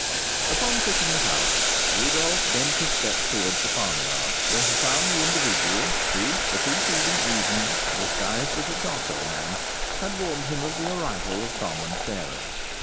Upon quitting the house, Rodolph bent his steps towards the farmyard, where he found the individual who, the preceding evening, disguised as a charcoal man, had warned him of the arrival of Tom and Sarah.